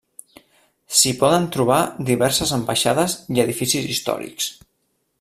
S'hi poden trobar diverses ambaixades i edificis històrics.